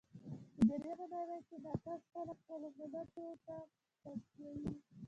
په درېیمه نړۍ کې ناکس خلګ خپلو ملتو ته پړسوي.